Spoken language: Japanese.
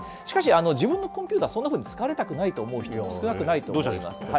しかし、自分のコンピューター、そんなふうに使われたくないと思う人、少なくないと思います。